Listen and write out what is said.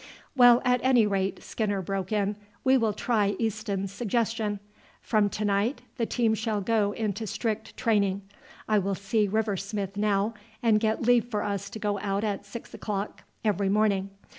"Well, at any rate," Skinner broke in, "we will try Easton's suggestion. From to night the team shall go into strict training. I will see River Smith now and get leave for us to go out at six o'clock every morning.